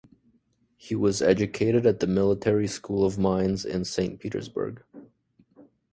He was educated at the military school of mines in St.Petersburg.